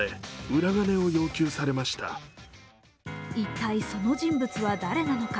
一体その人物は誰なのか。